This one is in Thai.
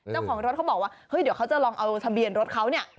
เจ้าของรถเขาบอกว่าเฮ้ยเดี๋ยวเขาจะลองเอาทะเบียนรถเขาเนี่ย